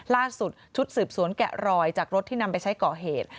ล่าสุดชุดสืบสวนแกะรอยจากรถที่นำไปใช้ก่อเหตุ